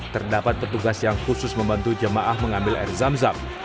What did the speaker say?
terdapat petugas yang khusus membantu jemaah mengambil air zamzam